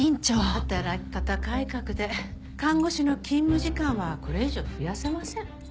働き方改革で看護師の勤務時間はこれ以上増やせません。